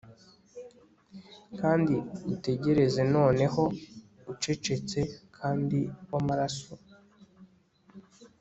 kandi utegereze noneho, ucecetse kandi wamaraso